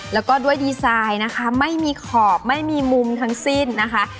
แล้วก็ด้วยดีไซน์นะคะไม่มีขอบไม่มีมุมทั้งสิ้นนะคะ